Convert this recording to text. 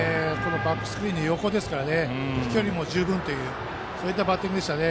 バックスクリーンの横で飛距離も十分というそういったバッティングでしたね。